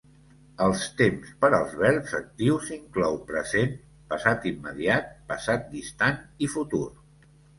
Els temps per als verbs actius inclou present, passat immediat, passat distant i futur.